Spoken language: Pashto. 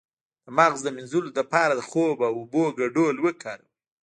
د مغز د مینځلو لپاره د خوب او اوبو ګډول وکاروئ